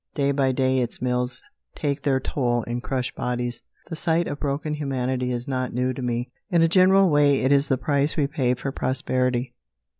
Day by day its mills take their toll in crushed bodies. The sight of broken humanity is not new to me. In a general way, it is the price we pay for prosperity.